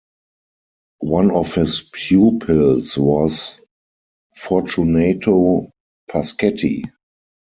One of his pupils was Fortunato Pasquetti.